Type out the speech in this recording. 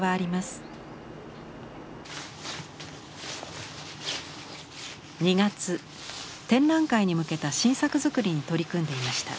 展覧会に向けた新作づくりに取り組んでいました。